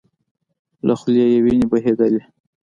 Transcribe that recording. له خولې يې وينې بهيدلې.